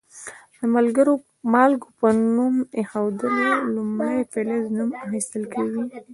د مالګو په نوم ایښودلو کې لومړی د فلز نوم اخیستل کیږي.